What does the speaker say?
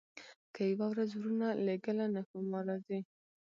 که یې یوه ورځ ورونه لېږله نو ښامار راځي.